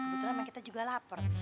kebetulan kita juga lapar